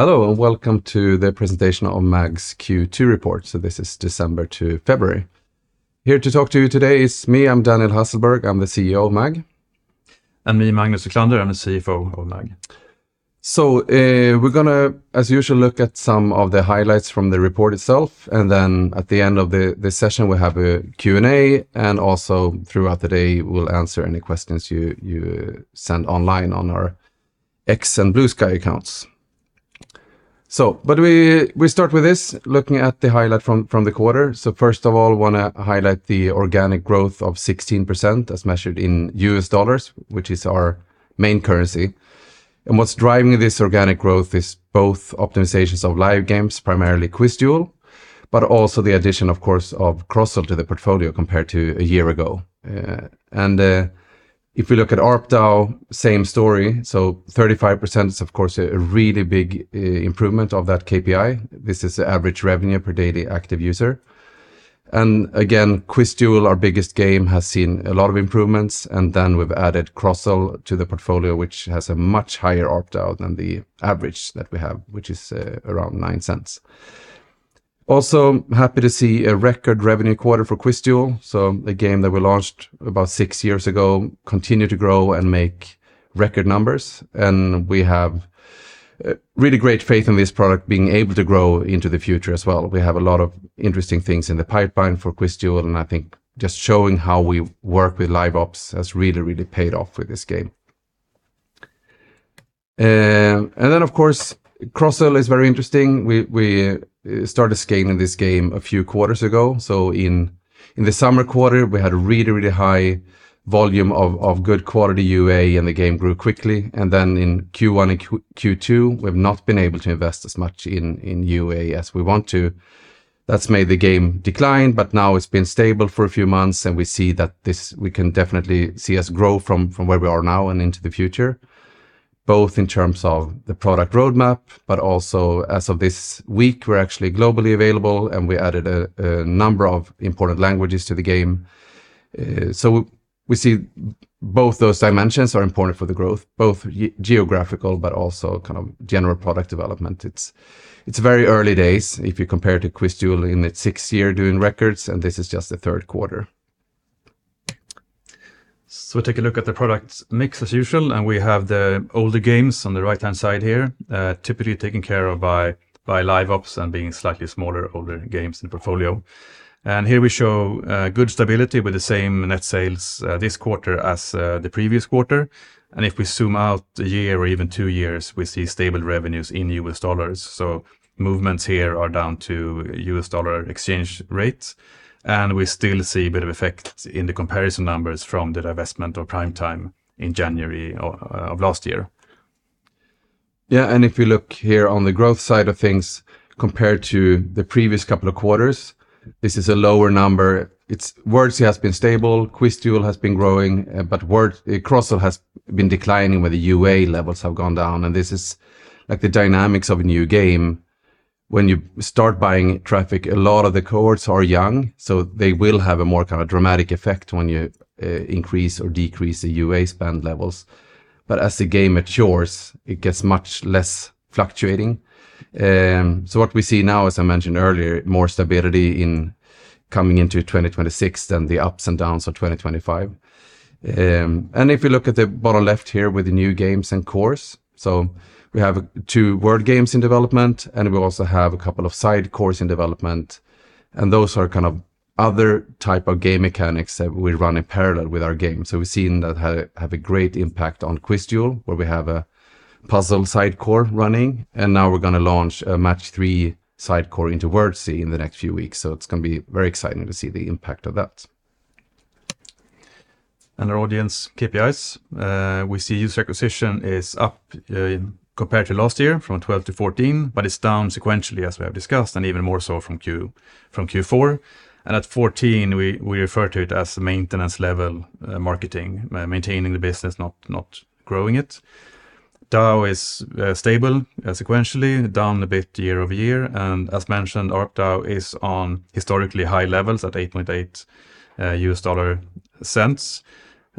Hello, and welcome to the presentation of MAG's Q2 report. This is December to February. Here to talk to you today is me. I'm Daniel Hasselberg, I'm the CEO of MAG. I'm Magnus Wiklander, I'm the CFO of MAG. We're gonna, as usual, look at some of the highlights from the report itself, and then at the end of the session, we'll have a Q&A, and also throughout the day we'll answer any questions you send online on our X and Bluesky accounts. We start with this, looking at the highlight from the quarter. First of all, wanna highlight the organic growth of 16% as measured in U.S. dollars, which is our main currency. What's driving this organic growth is both optimizations of live games, primarily QuizDuel, but also the addition, of course, of Crozzle to the portfolio compared to a year ago. If we look at ARPDAU, same story. 35% is of course a really big improvement of that KPI. This is the average revenue per daily active user. Again, QuizDuel, our biggest game, has seen a lot of improvements. Then we've added Crozzle to the portfolio, which has a much higher ARPDAU than the average that we have, which is around $0.09. We're also happy to see a record revenue quarter for QuizDuel. A game that we launched about six years ago continue to grow and make record numbers. We have really great faith in this product being able to grow into the future as well. We have a lot of interesting things in the pipeline for QuizDuel, and I think just showing how we work with LiveOps has really, really paid off with this game. Of course, Crozzle is very interesting. We started scaling this game a few quarters ago, so in the summer quarter, we had a really high volume of good quality UA, and the game grew quickly. In Q1 and Q2, we've not been able to invest as much in UA as we want to. That's made the game decline, now it's been stable for a few months and we see that we can definitely see us grow from where we are now and into the future, both in terms of the product roadmap, but also as of this week, we're actually globally available, and we added a number of important languages to the game. We see both those dimensions are important for the growth, both geographical, but also kind of general product development. It's very early days if you compare to QuizDuel in its sixth year doing records, and this is just the third quarter. Take a look at the products mix as usual, and we have the older games on the right-hand side here, typically taken care of by LiveOps and being slightly smaller older games in the portfolio. Here we show good stability with the same net sales this quarter as the previous quarter. If we zoom out a year or even two years, we see stable revenues in U.S. dollars. Movements here are down to U.S. dollar exchange rates, and we still see a bit of effect in the comparison numbers from the divestment of Prime Time in January of last year. Yeah. If you look here on the growth side of things, compared to the previous couple of quarters, this is a lower number. It's Wordzee has been stable, QuizDuel has been growing, but Crozzle has been declining where the UA levels have gone down, and this is like the dynamics of a new game. When you start buying traffic, a lot of the cohorts are young, so they will have a more kind of dramatic effect when you increase or decrease the UA spend levels. But as the game matures, it gets much less fluctuating. What we see now, as I mentioned earlier, more stability in coming into 2026 than the ups and downs of 2025. If you look at the bottom left here with the new games and cores, we have two word games in development, and we also have a couple of side cores in development. Those are kind of other type of game mechanics that we run in parallel with our game. We've seen that have a great impact on QuizDuel, where we have a puzzle side core running, and now we're gonna launch a Match 3 side core into Wordzee in the next few weeks. It's gonna be very exciting to see the impact of that. Our audience KPIs, we see user acquisition is up compared to last year from 12 to 14, but it's down sequentially, as we have discussed, and even more so from Q4. At 14 we refer to it as maintenance level, marketing, maintaining the business, not growing it. DAU is stable sequentially down a bit year-over-year. As mentioned, ARPDAU is on historically high levels at $0.088.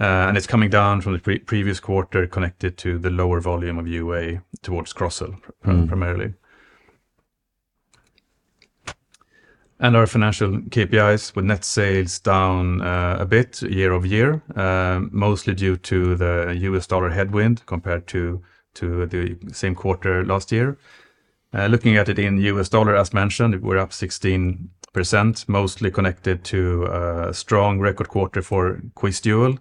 It's coming down from the previous quarter connected to the lower volume of UA towards Crozzle- Mm primarily. Our financial KPIs, with net sales down a bit year-over-year, mostly due to the U.S. dollar headwind compared to the same quarter last year. Looking at it in U.S. dollar, as mentioned, we're up 16%, mostly connected to a strong record quarter for QuizDuel,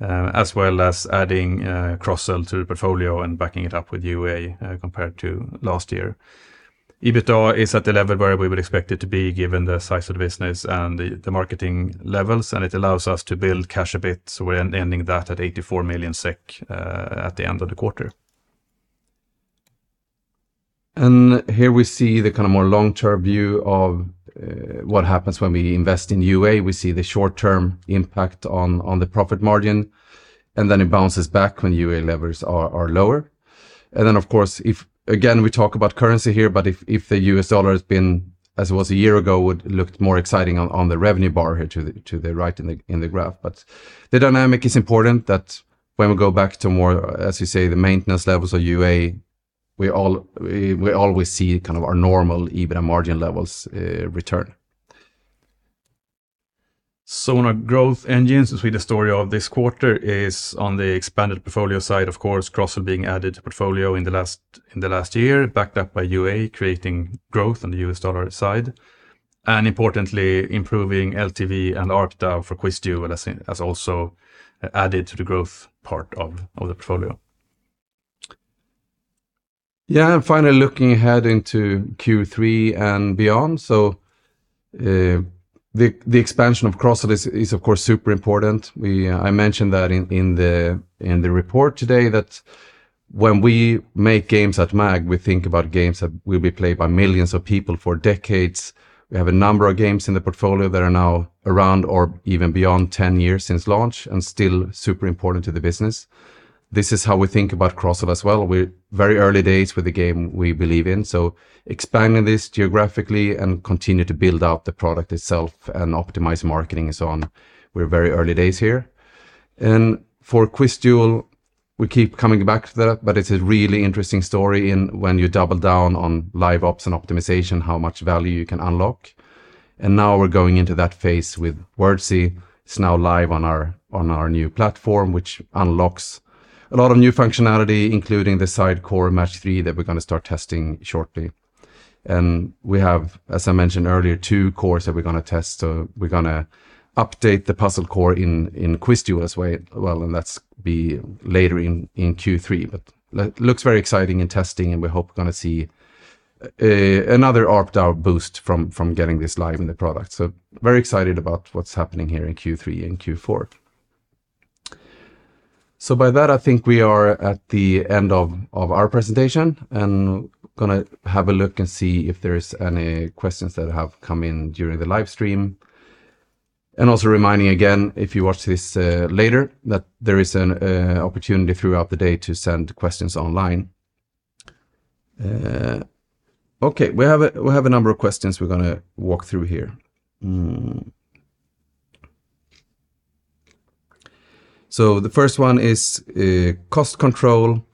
as well as adding Crozzle to the portfolio and backing it up with UA compared to last year. EBITDA is at the level where we would expect it to be given the size of the business and the marketing levels, and it allows us to build cash a bit. We're ending that at 84 million SEK at the end of the quarter. Here we see the kind of more long-term view of what happens when we invest in UA. We see the short-term impact on the profit margin, and then it bounces back when UA levels are lower. Of course, if again we talk about currency here, but if the U.S. dollar has been as it was a year ago, it would look more exciting on the revenue bar here to the right in the graph. The dynamic is important that when we go back to more, as you say, the maintenance levels of UA, we always see kind of our normal EBITDA margin levels return. On our growth engines, the sweeter story of this quarter is on the expanded portfolio side, of course, Crozzle being added to portfolio in the last year, backed up by UA, creating growth on the U.S. dollar side, and importantly, improving LTV and ARPDAU for QuizDuel has also added to the growth part of the portfolio. Finally looking ahead into Q3 and beyond. The expansion of Crozzle is of course super important. I mentioned that in the report today that when we make games at MAG, we think about games that will be played by millions of people for decades. We have a number of games in the portfolio that are now around or even beyond 10 years since launch and still super important to the business. This is how we think about Crozzle as well. We're very early days with the game we believe in, so expanding this geographically and continue to build out the product itself and optimize marketing and so on, we're very early days here. For QuizDuel, we keep coming back to that, but it's a really interesting story in when you double down on live ops and optimization, how much value you can unlock. Now we're going into that phase with Wordzee. It's now live on our new platform, which unlocks a lot of new functionality, including the side core Match 3 that we're gonna start testing shortly. We have, as I mentioned earlier, two cores that we're gonna test. We're gonna update the puzzle core in QuizDuel as well, and that'll be later in Q3. It looks very exciting in testing, and we hope we're gonna see another ARPDAU boost from getting this live in the product. Very excited about what's happening here in Q3 and Q4. By that, I think we are at the end of our presentation and gonna have a look and see if there is any questions that have come in during the live stream. Also reminding again, if you watch this later that there is an opportunity throughout the day to send questions online. Okay, we have a number of questions we're gonna walk through here. The first one is cost control.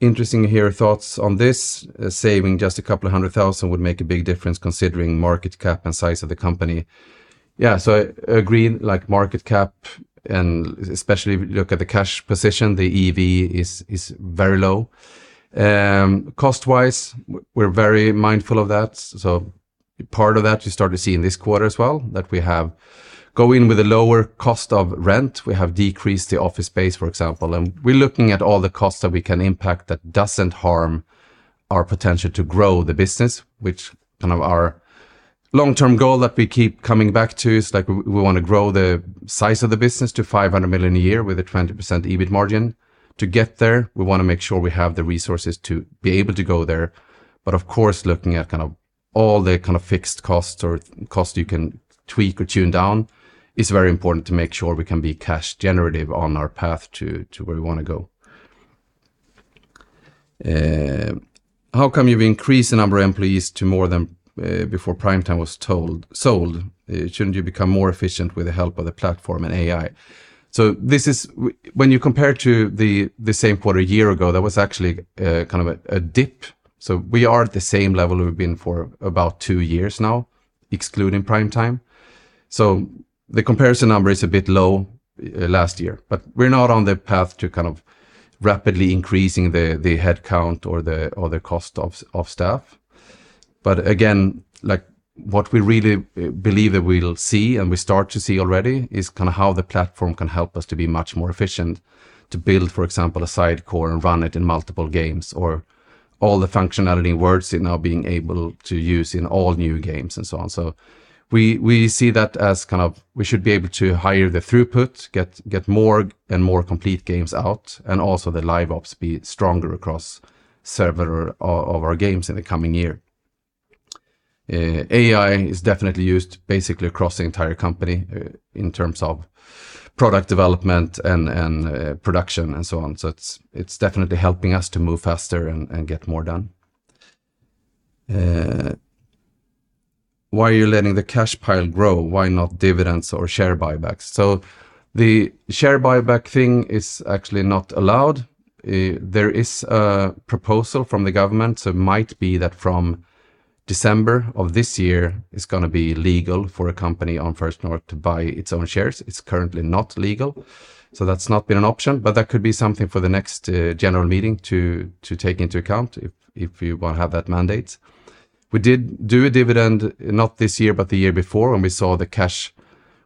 Interesting to hear your thoughts on this. Saving just a couple of hundred thousand would make a big difference considering market cap and size of the company. Yeah. I agree, like market cap and especially if you look at the cash position, the EV is very low. Cost-wise, we're very mindful of that. Part of that you start to see in this quarter as well, that we have gone in with a lower cost of rent. We have decreased the office space, for example, and we're looking at all the costs that we can impact that doesn't harm our potential to grow the business, which kind of our long-term goal that we keep coming back to is like we wanna grow the size of the business to 500 million a year with a 20% EBIT margin. To get there, we wanna make sure we have the resources to be able to go there. Of course, looking at kind of all the kind of fixed costs or costs you can tweak or tune down is very important to make sure we can be cash generative on our path to where we wanna go. How come you've increased the number of employees to more than before Prime Time was sold? Shouldn't you become more efficient with the help of the platform and AI? This is when you compare to the same quarter a year ago, there was actually kind of a dip. We are at the same level we've been for about two years now, excluding Prime Time. The comparison number is a bit low last year, but we're not on the path to kind of rapidly increasing the headcount or the cost of staff. Again, like, what we really believe that we'll see and we start to see already is kinda how the platform can help us to be much more efficient to build, for example, a side core and run it in multiple games or all the functionality in Wordzee now being able to use in all new games and so on. We see that as kind of we should be able to higher the throughput, get more and more complete games out, and also the LiveOps be stronger across several of our games in the coming year. AI is definitely used basically across the entire company, in terms of product development and production and so on. It's definitely helping us to move faster and get more done. Why are you letting the cash pile grow? Why not dividends or share buybacks? The share buyback thing is actually not allowed. There is a proposal from the government, so it might be that from December of this year, it's gonna be legal for a company on First North to buy its own shares. It's currently not legal, so that's not been an option. That could be something for the next general meeting to take into account if we will have that mandate. We did do a dividend, not this year, but the year before, and we saw the cash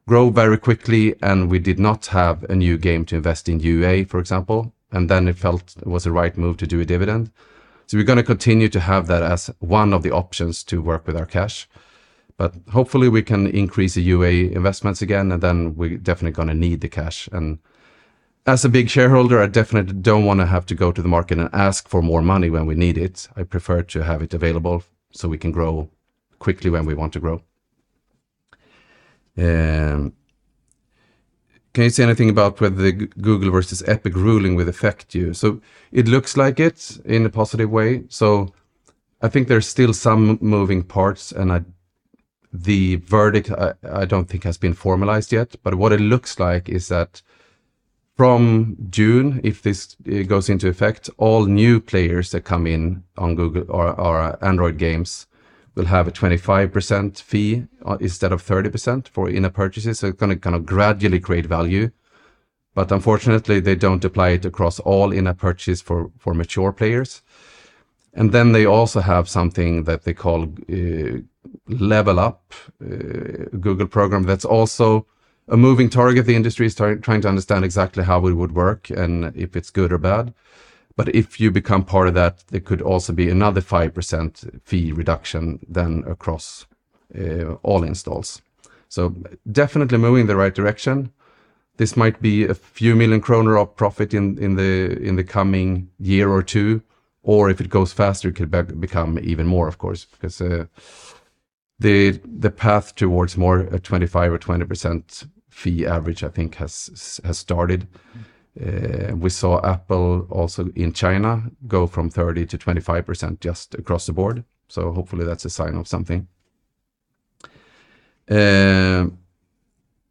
grow very quickly, and we did not have a new game to invest in UA, for example, and then it felt it was the right move to do a dividend. We're gonna continue to have that as one of the options to work with our cash. Hopefully, we can increase the UA investments again, and then we're definitely gonna need the cash. As a big shareholder, I definitely don't wanna have to go to the market and ask for more money when we need it. I prefer to have it available so we can grow quickly when we want to grow. Can you say anything about whether the Google versus Epic ruling would affect you? It looks like it in a positive way. I think there's still some moving parts, and the verdict, I don't think has been formalized yet, but what it looks like is that from June, if it goes into effect, all new players that come in on Google or Android games will have a 25% fee instead of 30% for in-app purchases. It's gonna kind of gradually create value, but unfortunately, they don't apply it across all in-app purchase for mature players. They also have something that they call Level Up Google program that's also a moving target. The industry is trying to understand exactly how it would work and if it's good or bad. If you become part of that, it could also be another 5% fee reduction than across all installs. Definitely moving in the right direction. This might be a few million SEK of profit in the coming year or two, or if it goes faster, it could become even more, of course, because the path towards more of a 25% or 20% fee average, I think, has started. We saw Apple also in China go from 30%-25% just across the board, so hopefully that's a sign of something.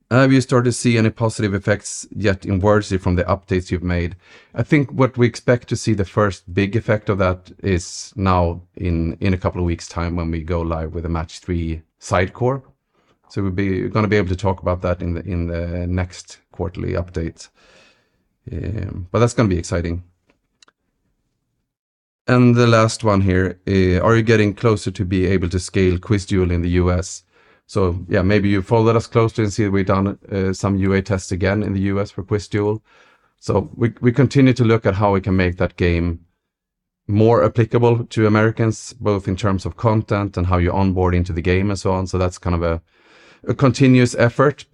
Have you started to see any positive effects yet in Wordzee from the updates you've made? I think what we expect to see the first big effect of that is now in a couple of weeks' time when we go live with a Match 3 side core. We'll gonna be able to talk about that in the next quarterly update. That's gonna be exciting. The last one here, are you getting closer to be able to scale QuizDuel in the U.S.? Yeah, maybe you followed us closely and see we've done some UA tests again in the U.S. for QuizDuel. We continue to look at how we can make that game more applicable to Americans, both in terms of content and how you onboard into the game and so on. That's kind of a continuous effort.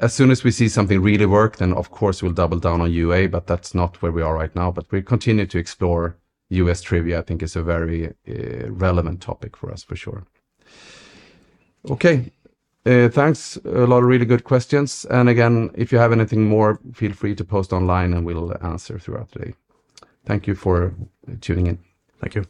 As soon as we see something really work, then of course we'll double down on UA, but that's not where we are right now. We continue to explore U.S. trivia, I think is a very relevant topic for us, for sure. Okay. Thanks. A lot of really good questions. Again, if you have anything more, feel free to post online and we'll answer throughout the day. Thank you for tuning in. Thank you.